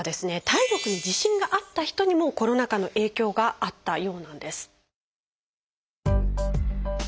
体力に自信があった人にもコロナ禍の影響があったようなんです。